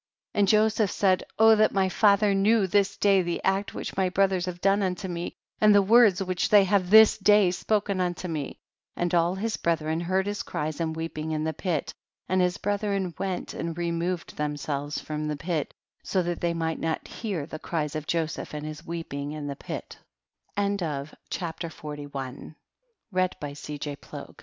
33. And Joseph said, O that my father knew, this day, the act which my brothers have done unto me, and the words which they have this day spoken unto me. 34. And all his brethren heard his cries and weeping in the pit, and his brethren went and removed them selves from the pit, so that they might not hear the cries of Joseph and his w